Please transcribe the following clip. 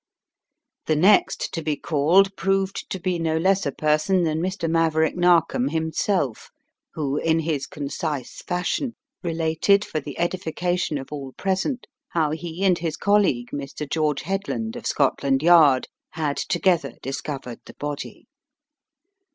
The next to be called proved to be no less a person than Mr. Maverick Narkom himself, who in his con cise fashion related for the edification of all present how he and his colleague, Mr. George Headland, of Scotland Yard, had together discovered the body.